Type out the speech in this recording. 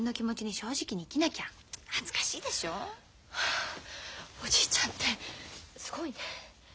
あおじいちゃんってすごいね。